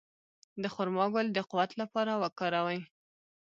د خرما ګل د قوت لپاره وکاروئ